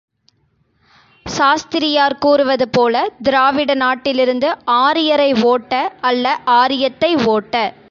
சாஸ்திரியார் கூறுவது போல, திராவிட நாட்டிலிருந்து ஆரியரை ஓட்ட அல்ல ஆரியத்தை ஓட்ட!